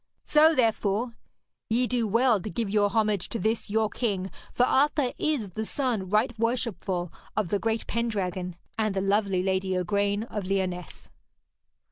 So, therefore, ye do well to give your homage to this your king, for Arthur is the son right worshipful of the great Pendragon, and the lovely lady, Igraine of Lyonesse.'